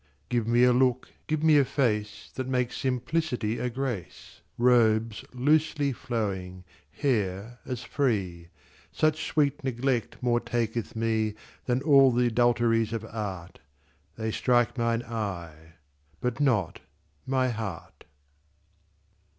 Give me a look, give me a face That makes simplicity a grace; Robes losely flowing, hair as free; Such sweet neglect more taketh me Than all th' adulteries of art. They strike mine eyes but not my heart.